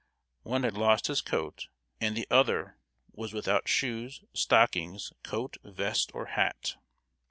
One had lost his coat, and the other was without shoes, stockings, coat, vest, or hat.